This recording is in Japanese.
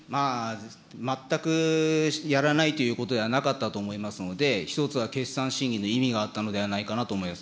全くやらないということではなかったと思いますので、１つは決算審議の意味があったのではないかなと思います。